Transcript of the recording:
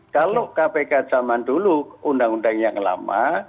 kalau kpk zaman dulu undang undang yang lama